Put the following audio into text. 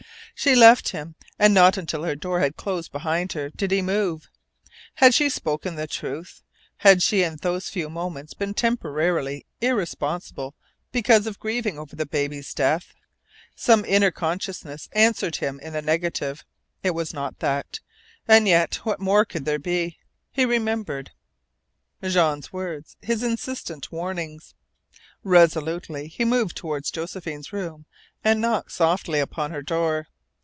She left him, and not until her door had closed behind her did he move. Had she spoken the truth? Had she in those few moments been temporarily irresponsible because of grieving over the baby's death? Some inner consciousness answered him in the negative. It was not that. And yet what more could there be? He remembered. Jean's words, his insistent warnings. Resolutely he moved toward Josephine's room, and knocked softly upon her door.